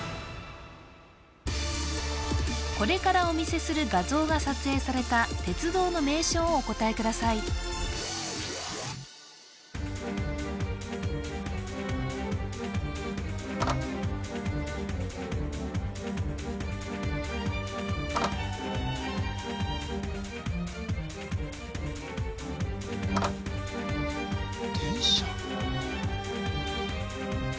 これからお見せする画像が撮影された鉄道の名称をお答えください電車？